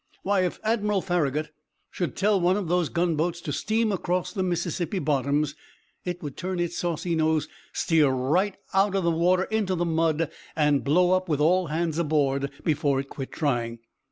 Why, if Admiral Farragut should tell one of those gunboats to steam across the Mississippi bottoms it would turn its saucy nose, steer right out of the water into the mud, and blow up with all hands aboard before it quit trying."